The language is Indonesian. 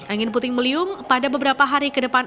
angin puting beliung pada beberapa hari ke depan